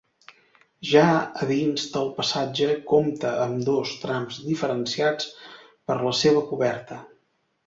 Ja a dins el passatge compta amb dos trams diferenciats per la seva coberta.